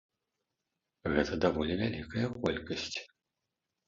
Гэта даволі вялікая колькасць.